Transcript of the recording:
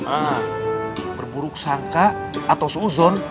ah berburuk sangka atau seuzon